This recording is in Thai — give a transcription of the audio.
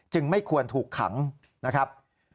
ไม่ควรถูกขังนะครับ